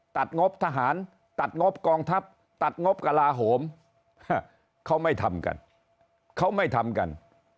งบทหารตัดงบกองทัพตัดงบกระลาโหมเขาไม่ทำกันเขาไม่ทำกัน